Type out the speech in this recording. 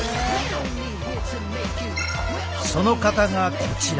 その方がこちら。